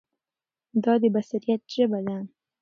دا د بصیرت ژبه ده.